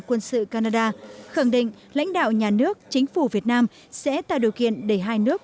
quân sự canada khẳng định lãnh đạo nhà nước chính phủ việt nam sẽ tạo điều kiện để hai nước